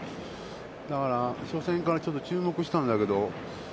だから、初戦からちょっと注目したんだけど。